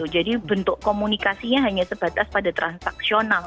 jadi bentuk komunikasinya hanya sebatas pada transaksional